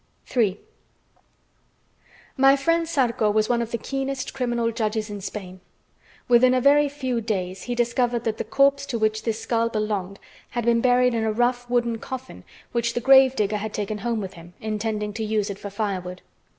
III My friend Zarco was one of the keenest criminal judges in Spain. Within a very few days he discovered that the corpse to which this skull belonged had been buried in a rough wooden coffin which the grave digger had taken home with him, intending to use it for firewood.